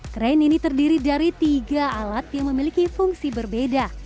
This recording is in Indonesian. krain ini terdiri dari tiga alat yang memiliki fungsi berbeda